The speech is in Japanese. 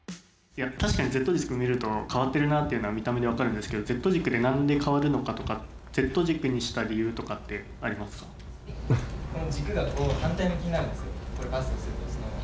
確かにＺ軸見ると変わってるなっていうのは見た目で分かるんですけどＺ軸で何で変わるのかとかＺ軸にした理由とかってありますか？